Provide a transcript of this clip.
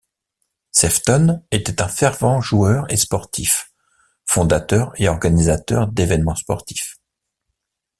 Sefton était un fervent joueur et sportif, fondateur et organisateur d'évènements sportifs.